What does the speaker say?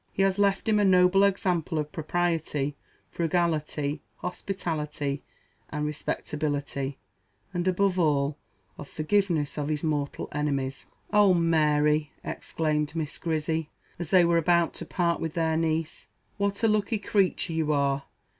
"He has left him a noble example of propriety, frugality, hospitality, and respectability; and, above all, of forgiveness of his mortal enemies." "Oh, Mary!" exclaimed Miss Grizzy, as they were about to part with their niece, "what a lucky creature you are!